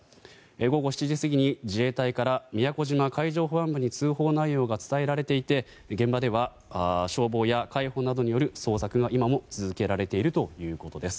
午後７時過ぎに自衛隊から宮古島海上保安部に通報内容が伝えられていて現場では消防や海保などによる捜索が今も続けられているということです。